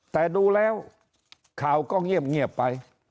แต่ดูแล้วข่าวก็เงียบไป